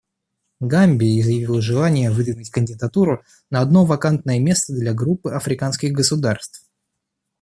Гамбия изъявила желание выдвинуть кандидатуру на одно вакантное место для Группы африканских государств.